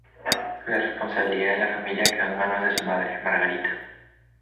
La responsabilidad de la familia quedó en manos de su madre, Margarita.